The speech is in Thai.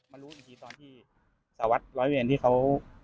มารู้อีกทีตอนที่สวรรค์ร้อยเวียนที่เค้า